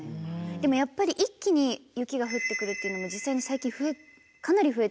でもやっぱり一気に雪が降ってくるっていうのも実際に最近かなり増えてるってことですよね。